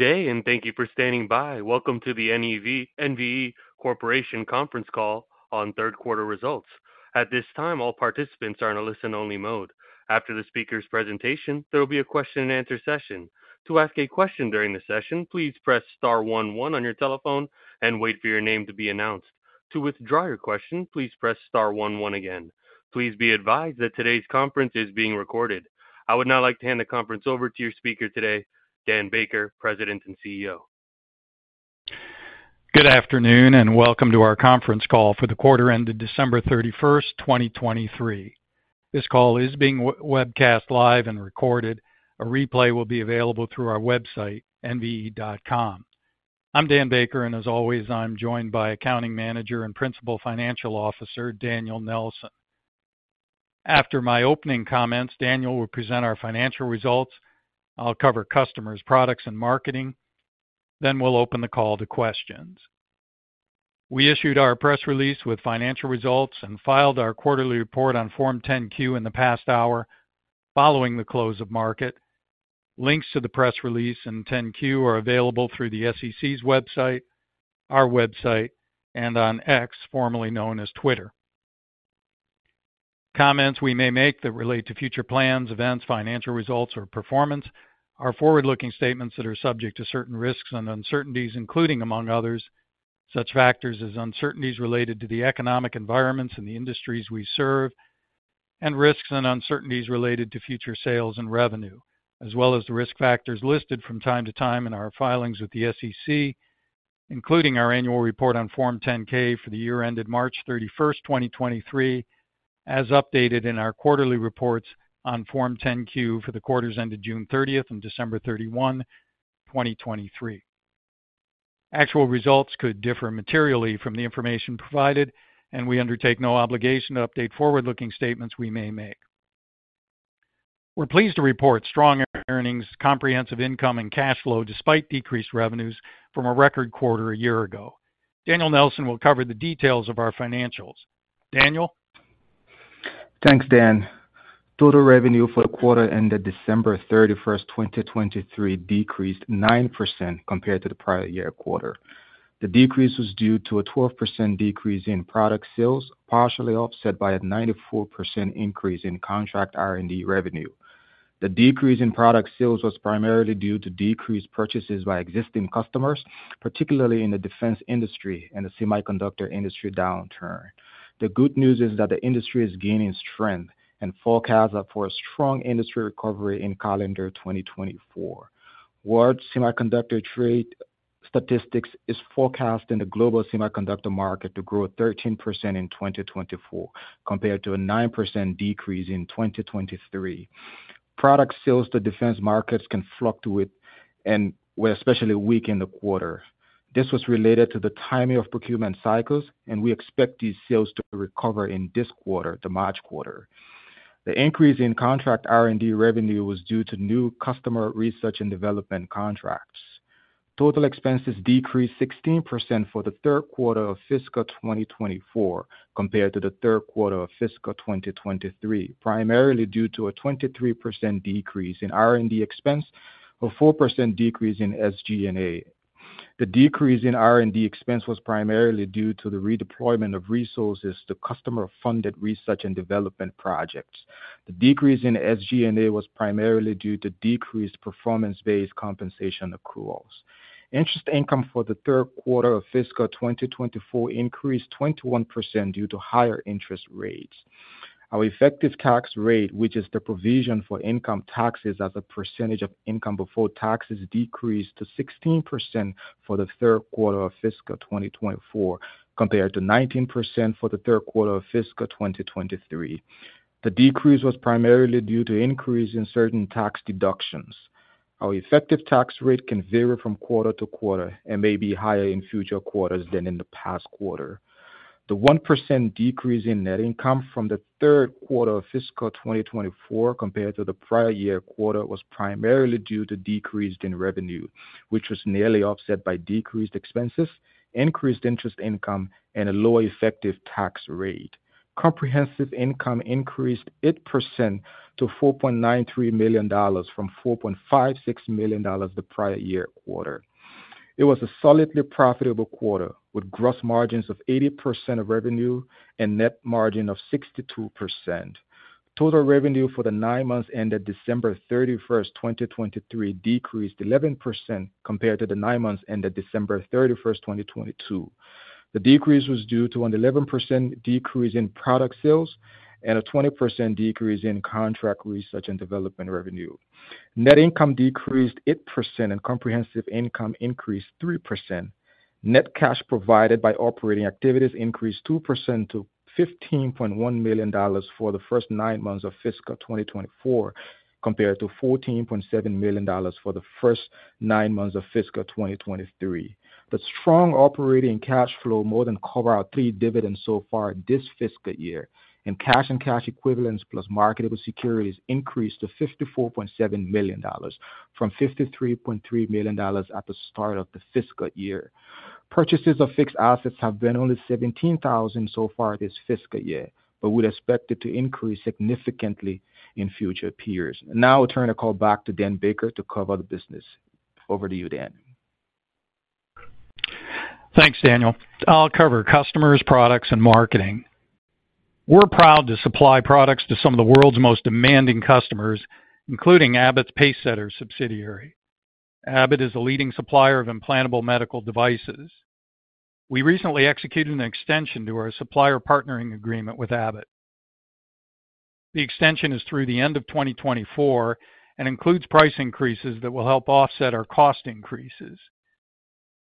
Good day, and thank you for standing by. Welcome to the NVE Corporation Conference Call on third quarter results. At this time, all participants are in a listen-only mode. After the speaker's presentation, there will be a question and answer session. To ask a question during the session, please press star one one on your telephone and wait for your name to be announced. To withdraw your question, please press star one one again. Please be advised that today's conference is being recorded. I would now like to hand the conference over to your speaker today, Dan Baker, President and CEO. Good afternoon, and welcome to our conference call for the quarter ended December 31, 2023. This call is being webcast live and recorded. A replay will be available through our website, nve.com. I'm Dan Baker, and as always, I'm joined by Accounting Manager and Principal Financial Officer, Daniel Nelson. After my opening comments, Daniel will present our financial results. I'll cover customers, products, and marketing, then we'll open the call to questions. We issued our press release with financial results and filed our quarterly report on Form 10-Q in the past hour, following the close of market. Links to the press release and 10-Q are available through the SEC's website, our website, and on X, formerly known as Twitter. Comments we may make that relate to future plans, events, financial results, or performance are forward-looking statements that are subject to certain risks and uncertainties, including, among others, such factors as uncertainties related to the economic environments and the industries we serve, and risks and uncertainties related to future sales and revenue, as well as the risk factors listed from time to time in our filings with the SEC, including our annual report on Form 10-K for the year ended March 31, 2023, as updated in our quarterly reports on Form 10-Q for the quarters ended June 30 and December 31, 2023. Actual results could differ materially from the information provided, and we undertake no obligation to update forward-looking statements we may make. We're pleased to report strong earnings, comprehensive income and cash flow, despite decreased revenues from a record quarter a year ago. Daniel Nelson will cover the details of our financials. Daniel? Thanks, Dan. Total revenue for the quarter ended December 31, 2023, decreased 9% compared to the prior year quarter. The decrease was due to a 12% decrease in product sales, partially offset by a 94% increase in contract R&D revenue. The decrease in product sales was primarily due to decreased purchases by existing customers, particularly in the defense industry and the semiconductor industry downturn. The good news is that the industry is gaining strength and forecasts are for a strong industry recovery in calendar 2024, World Semiconductor Trade Statistics is forecasting the global semiconductor market to grow 13% in 2024, compared to a 9% decrease in 2023. Product sales to defense markets can fluctuate and were especially weak in the quarter. This was related to the timing of procurement cycles, and we expect these sales to recover in this quarter, the March quarter. The increase in contract R&D revenue was due to new customer research and development contracts. Total expenses decreased 16% for the third quarter of fiscal 2024, compared to the third quarter of fiscal 2023, primarily due to a 23% decrease in R&D expense, a 4% decrease in SG&A. The decrease in R&D expense was primarily due to the redeployment of resources to customer-funded research and development projects. The decrease in SG&A was primarily due to decreased performance-based compensation accruals. Interest income for the third quarter of fiscal 2024 increased 21% due to higher interest rates. Our effective tax rate, which is the provision for income taxes as a percentage of income before taxes, decreased to 16% for the third quarter of fiscal 2024, compared to 19% for the third quarter of fiscal 2023. The decrease was primarily due to increase in certain tax deductions. Our effective tax rate can vary from quarter to quarter and may be higher in future quarters than in the past quarter. The 1% decrease in net income from the third quarter of fiscal 2024 compared to the prior year quarter, was primarily due to decreased in revenue, which was nearly offset by decreased expenses, increased interest income, and a lower effective tax rate. Comprehensive income increased 8% to $4.93 million from $4.56 million the prior year quarter. It was a solidly profitable quarter, with gross margins of 80% of revenue and net margin of 62%. Total revenue for the nine months ended December thirty-first, 2023, decreased 11% compared to the nine months ended December thirty-first, 2022. The decrease was due to an 11% decrease in product sales and a 20% decrease in contract research and development revenue. Net income decreased 8%, and comprehensive income increased 3%. Net cash provided by operating activities increased 2% to $15.1 million for the first nine months of fiscal 2024, compared to $14.7 million for the first nine months of fiscal 2023. The strong operating cash flow more than cover our 3 dividends so far this fiscal year, and cash and cash equivalents plus marketable securities increased to $54.7 million from $53.3 million at the start of the fiscal year... Purchases of fixed assets have been only $17,000 so far this fiscal year, but we'd expect it to increase significantly in future periods. Now I'll turn the call back to Dan Baker to cover the business. Over to you, Dan. Thanks, Daniel. I'll cover customers, products, and marketing. We're proud to supply products to some of the world's most demanding customers, including Abbott's Pacesetter subsidiary. Abbott is a leading supplier of implantable medical devices. We recently executed an extension to our supplier partnering agreement with Abbott. The extension is through the end of 2024 and includes price increases that will help offset our cost increases.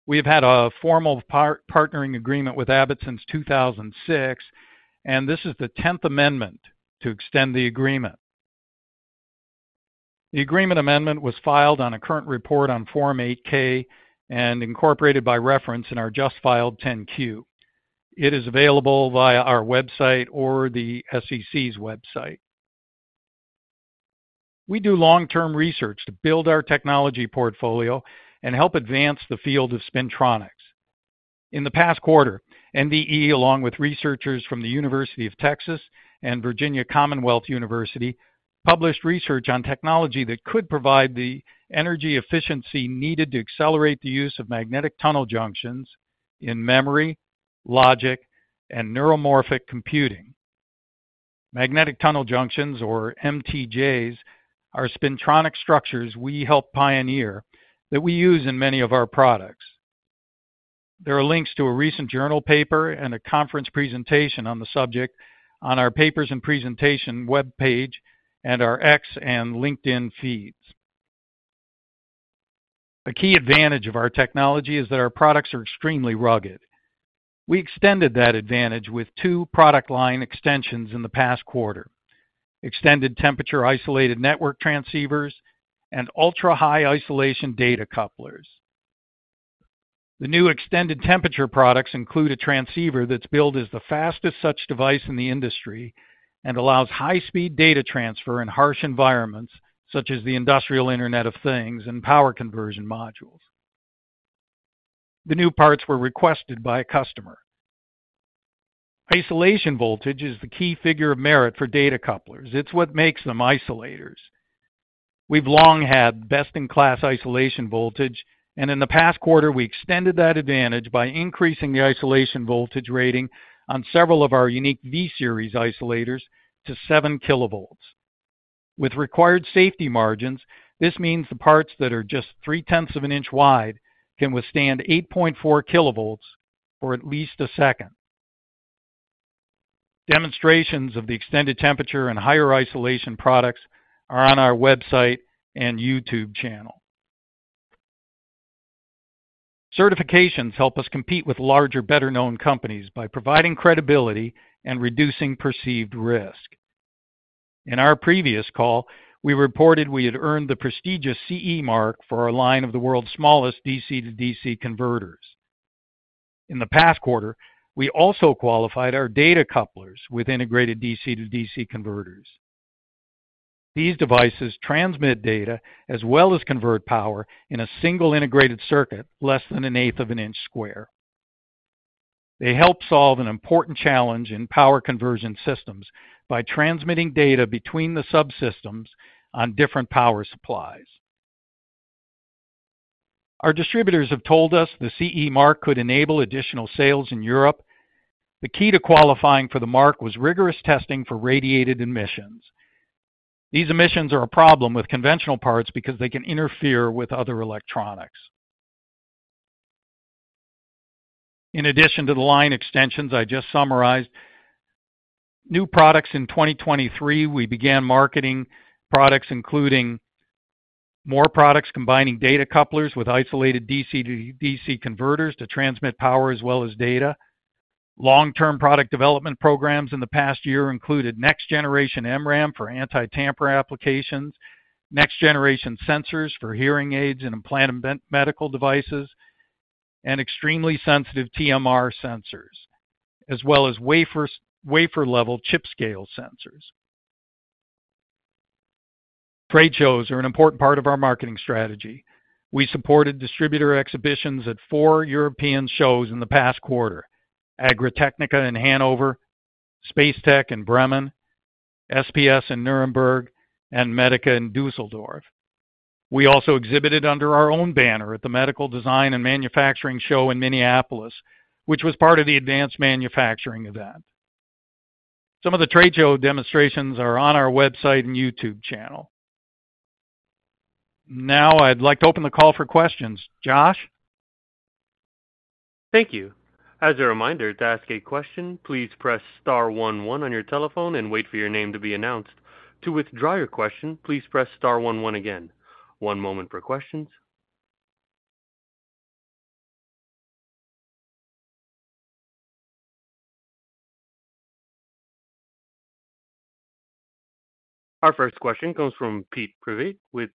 We've had a formal partnering agreement with Abbott since 2006, and this is the 10th amendment to extend the agreement. The agreement amendment was filed on a current report on Form 8-K and incorporated by reference in our just filed 10-Q. It is available via our website or the SEC's website. We do long-term research to build our technology portfolio and help advance the field of spintronics. In the past quarter, NVE, along with researchers from the University of Texas and Virginia Commonwealth University, published research on technology that could provide the energy efficiency needed to accelerate the use of magnetic tunnel junctions in memory, logic, and neuromorphic computing. Magnetic tunnel junctions, or MTJs, are spintronic structures we helped pioneer that we use in many of our products. There are links to a recent journal paper and a conference presentation on the subject on our papers and presentation web page and our X and LinkedIn feeds. A key advantage of our technology is that our products are extremely rugged. We extended that advantage with two product line extensions in the past quarter: extended temperature isolated network transceivers and ultra-high isolation data couplers. The new extended temperature products include a transceiver that's billed as the fastest such device in the industry and allows high-speed data transfer in harsh environments, such as the Industrial Internet of Things and power conversion modules. The new parts were requested by a customer. Isolation voltage is the key figure of merit for data couplers. It's what makes them isolators. We've long had best-in-class isolation voltage, and in the past quarter, we extended that advantage by increasing the isolation voltage rating on several of our unique V-Series isolators to 7 kilovolts. With required safety margins, this means the parts that are just 0.3 inch wide can withstand 8.4 kilovolts for at least a second. Demonstrations of the extended temperature and higher isolation products are on our website and YouTube channel. Certifications help us compete with larger, better-known companies by providing credibility and reducing perceived risk. In our previous call, we reported we had earned the prestigious CE mark for our line of the world's smallest DC-to-DC converters. In the past quarter, we also qualified our data couplers with integrated DC-to-DC converters. These devices transmit data as well as convert power in a single integrated circuit, less than an eighth of an inch square. They help solve an important challenge in power conversion systems by transmitting data between the subsystems on different power supplies. Our distributors have told us the CE mark could enable additional sales in Europe. The key to qualifying for the mark was rigorous testing for radiated emissions. These emissions are a problem with conventional parts because they can interfere with other electronics. In addition to the line extensions I just summarized, new products in 2023, we began marketing products, including more products, combining data couplers with isolated DC-to-DC converters to transmit power as well as data. Long-term product development programs in the past year included next-generation MRAM for anti-tamper applications, next-generation sensors for hearing aids and implanted medical devices, and extremely sensitive TMR sensors, as well as wafer-level chip-scale sensors. Trade shows are an important part of our marketing strategy. We supported distributor exhibitions at four European shows in the past quarter, Agritechnica in Hanover, Space Tech in Bremen, SPS in Nuremberg, and Medica in Dusseldorf. We also exhibited under our own banner at the Medical Design and Manufacturing Show in Minneapolis, which was part of the Advanced Manufacturing event. Some of the trade show demonstrations are on our website and YouTube channel. Now I'd like to open the call for questions. Josh? Thank you. As a reminder, to ask a question, please press star one one on your telephone and wait for your name to be announced. To withdraw your question, please press star one one again. One moment for questions. Our first question comes from Pete Prevey with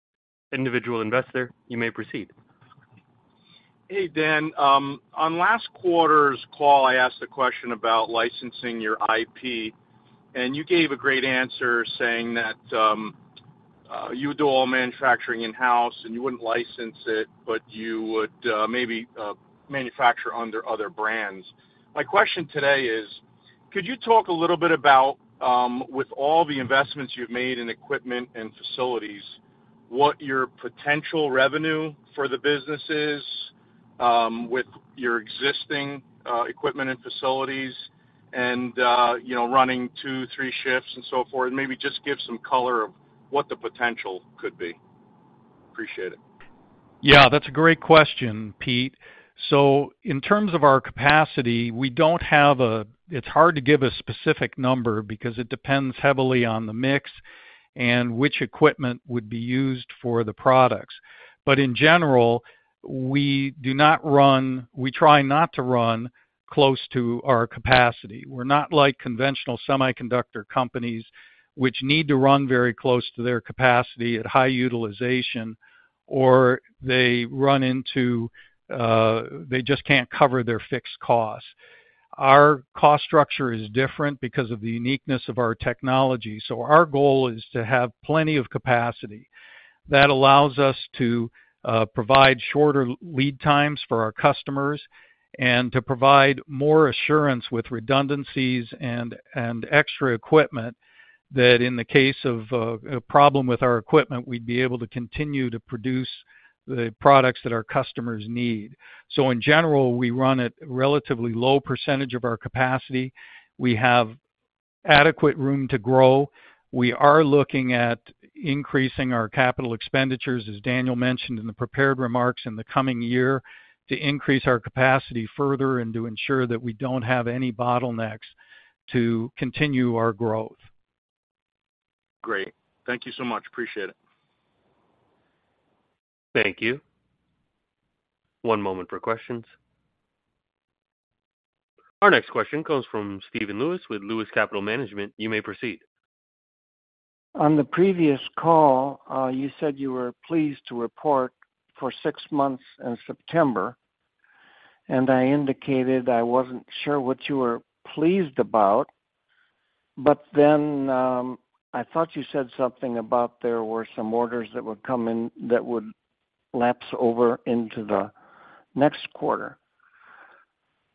Individual Investor. You may proceed. Hey, Dan. On last quarter's call, I asked a question about licensing your IP, and you gave a great answer, saying that you would do all manufacturing in-house, and you wouldn't license it, but you would maybe manufacture under other brands. My question today is, could you talk a little bit about with all the investments you've made in equipment and facilities, what your potential revenue for the business is with your existing equipment and facilities and you know, running two, three shifts and so forth? And maybe just give some color of what the potential could be. Appreciate it. Yeah, that's a great question, Pete. So in terms of our capacity, we don't have a, it's hard to give a specific number because it depends heavily on the mix and which equipment would be used for the products. But in general, we do not run, we try not to run close to our capacity. We're not like conventional semiconductor companies, which need to run very close to their capacity at high utilization, or they run into, they just can't cover their fixed costs. Our cost structure is different because of the uniqueness of our technology. So our goal is to have plenty of capacity. That allows us to provide shorter lead times for our customers and to provide more assurance with redundancies and extra equipment, that in the case of a problem with our equipment, we'd be able to continue to produce the products that our customers need. So in general, we run at relatively low percentage of our capacity. We have adequate room to grow. We are looking at increasing our capital expenditures, as Daniel mentioned in the prepared remarks, in the coming year, to increase our capacity further and to ensure that we don't have any bottlenecks to continue our growth. Great. Thank you so much. Appreciate it. Thank you. One moment for questions. Our next question comes from Steven Lewis with Lewis Capital Management. You may proceed. On the previous call, you said you were pleased to report for six months in September, and I indicated I wasn't sure what you were pleased about. But then, I thought you said something about there were some orders that would come in that would lapse over into the next quarter.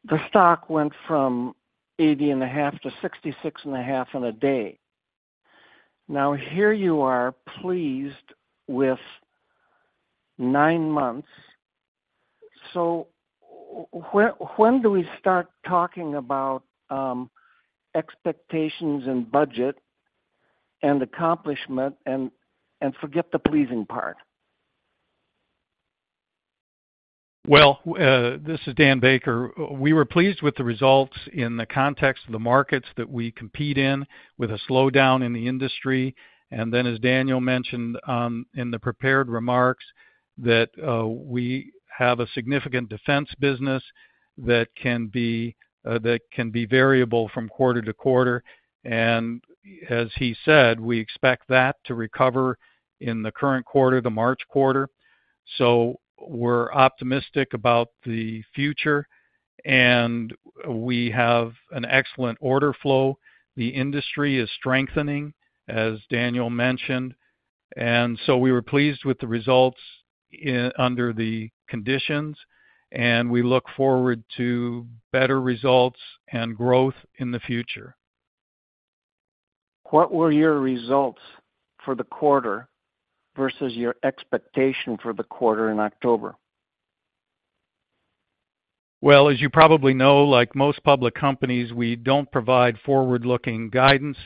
The stock went from $80.5 to $66.5 in a day. Now, here you are pleased with nine months. So when do we start talking about expectations and budget and accomplishment, and forget the pleasing part? Well, this is Dan Baker. We were pleased with the results in the context of the markets that we compete in with a slowdown in the industry. And then, as Daniel mentioned, in the prepared remarks, that, we have a significant defense business that can be, that can be variable from quarter to quarter. And as he said, we expect that to recover in the current quarter, the March quarter. So we're optimistic about the future, and we have an excellent order flow. The industry is strengthening, as Daniel mentioned, and so we were pleased with the results in, under the conditions, and we look forward to better results and growth in the future. What were your results for the quarter versus your expectation for the quarter in October? Well, as you probably know, like most public companies, we don't provide forward-looking guidance,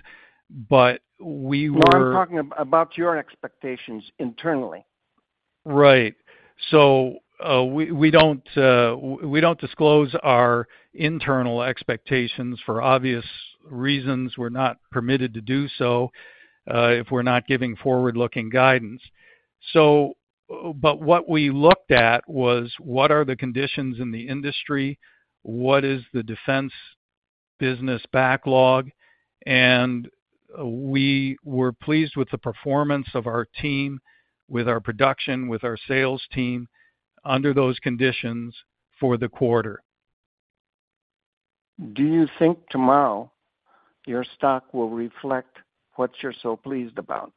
but we were- No, I'm talking about your expectations internally. Right. So, we don't disclose our internal expectations for obvious reasons. We're not permitted to do so, if we're not giving forward-looking guidance. So, but what we looked at was: What are the conditions in the industry? What is the defense business backlog? And we were pleased with the performance of our team, with our production, with our sales team under those conditions for the quarter. Do you think tomorrow, your stock will reflect what you're so pleased about?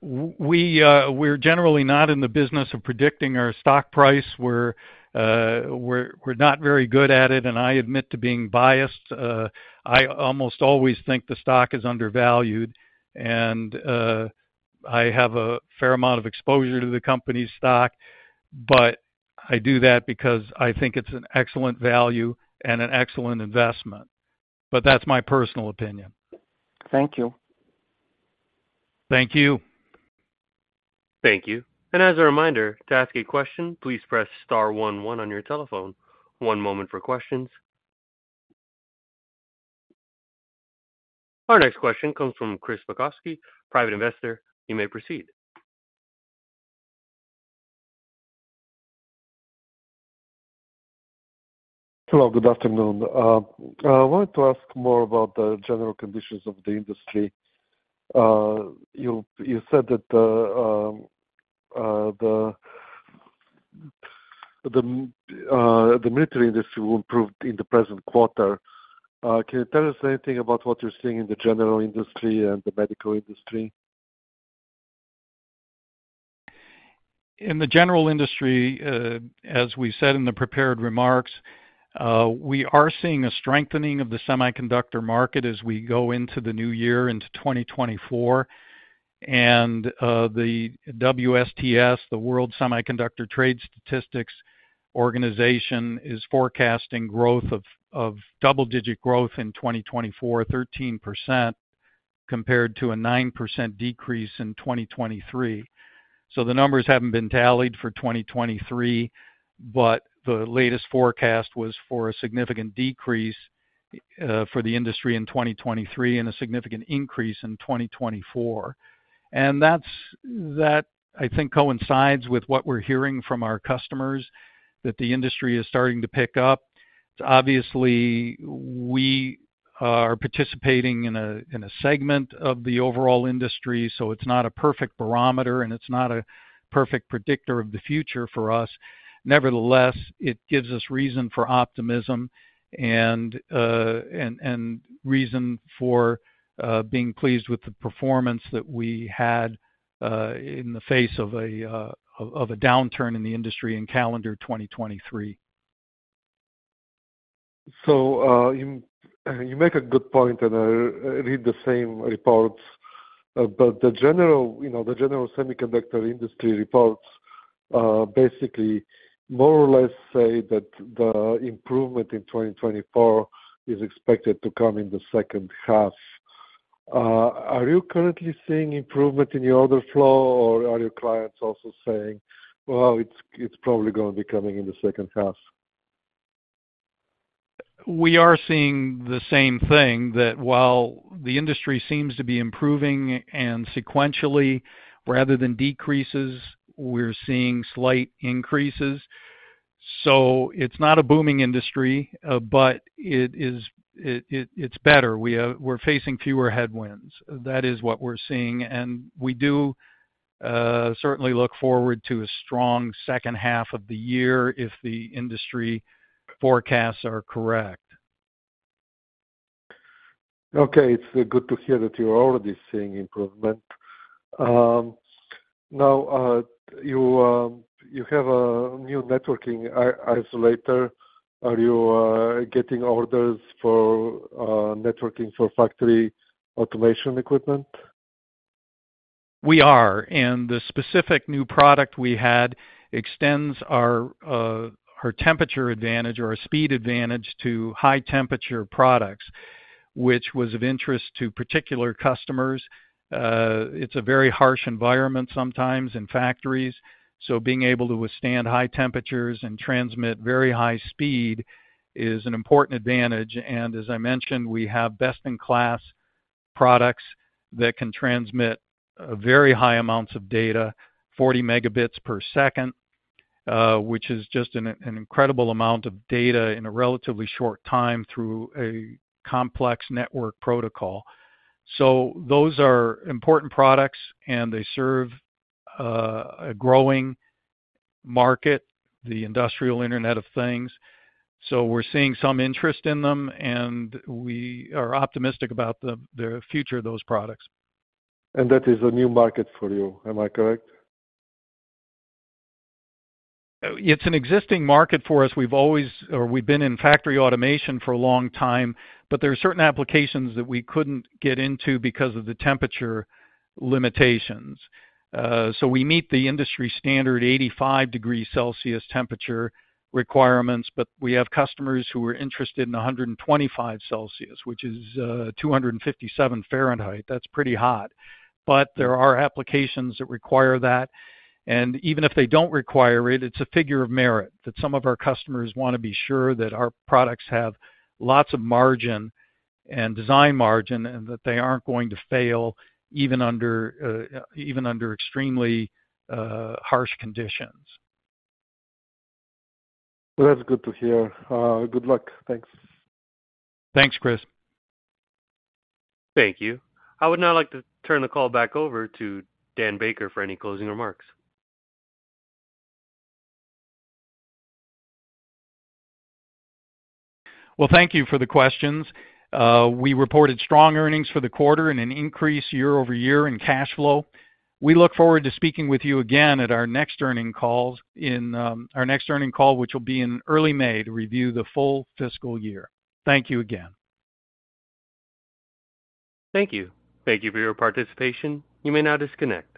We, we're generally not in the business of predicting our stock price. We're not very good at it, and I admit to being biased. I almost always think the stock is undervalued, and I have a fair amount of exposure to the company's stock, but I do that because I think it's an excellent value and an excellent investment. But that's my personal opinion. Thank you. Thank you. Thank you. And as a reminder, to ask a question, please press star one, one on your telephone. One moment for questions. Our next question comes from Chris Makowski, private investor. You may proceed. Hello, good afternoon. I wanted to ask more about the general conditions of the industry. You said that the military industry will improve in the present quarter. Can you tell us anything about what you're seeing in the general industry and the medical industry? In the general industry, as we said in the prepared remarks, we are seeing a strengthening of the semiconductor market as we go into the new year, into 2024. The WSTS, the World Semiconductor Trade Statistics organization, is forecasting growth of double-digit growth in 2024, 13%, compared to a 9% decrease in 2023. The numbers haven't been tallied for 2023, but the latest forecast was for a significant decrease for the industry in 2023 and a significant increase in 2024. That's, that, I think, coincides with what we're hearing from our customers, that the industry is starting to pick up. Obviously, we are participating in a segment of the overall industry, so it's not a perfect barometer, and it's not a perfect predictor of the future for us. Nevertheless, it gives us reason for optimism and reason for being pleased with the performance that we had in the face of a downturn in the industry in calendar 2023. So, you make a good point, and I read the same reports. But the general, you know, the general semiconductor industry reports basically more or less say that the improvement in 2024 is expected to come in the second half. Are you currently seeing improvement in your order flow, or are your clients also saying, "Well, it's probably going to be coming in the second half? We are seeing the same thing, that while the industry seems to be improving and sequentially, rather than decreases, we're seeing slight increases. So it's not a booming industry, but it is, it's better. We're facing fewer headwinds. That is what we're seeing, and we do certainly look forward to a strong second half of the year if the industry forecasts are correct. Okay, it's good to hear that you're already seeing improvement. Now, you have a new networking isolator. Are you getting orders for networking for factory automation equipment? We are, and the specific new product we had extends our our temperature advantage or our speed advantage to high-temperature products, which was of interest to particular customers. It's a very harsh environment sometimes in factories, so being able to withstand high temperatures and transmit very high speed is an important advantage. And as I mentioned, we have best-in-class products that can transmit very high amounts of data, 40 Mbps, which is just an incredible amount of data in a relatively short time through a complex network protocol. So those are important products, and they serve a growing market, the Industrial Internet of Things. So we're seeing some interest in them, and we are optimistic about the future of those products. That is a new market for you, am I correct? It's an existing market for us. We've always... or we've been in factory automation for a long time, but there are certain applications that we couldn't get into because of the temperature limitations. So we meet the industry standard, 85 degrees Celsius temperature requirements, but we have customers who are interested in 125 degrees Celsius, which is 257 degrees Fahrenheit. That's pretty hot, but there are applications that require that, and even if they don't require it, it's a figure of merit, that some of our customers want to be sure that our products have lots of margin and design margin, and that they aren't going to fail, even under even under extremely harsh conditions. Well, that's good to hear. Good luck. Thanks. Thanks, Chris. Thank you. I would now like to turn the call back over to Dan Baker for any closing remarks. Well, thank you for the questions. We reported strong earnings for the quarter and an increase year over year in cash flow. We look forward to speaking with you again at our next earnings calls, our next earnings call, which will be in early May to review the full fiscal year. Thank you again. Thank you. Thank you for your participation. You may now disconnect.